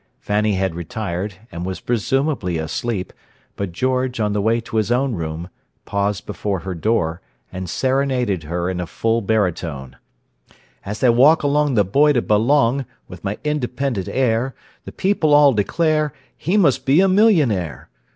Fanny had retired, and was presumably asleep, but George, on the way to his own room, paused before her door, and serenaded her in a full baritone: "As I walk along the Boy de Balong With my independent air, The people all declare, 'He must be a millionaire!